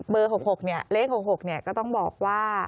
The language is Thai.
เบอร์๖๖๖เลข๖๖๖ก็ต้องบอกว่า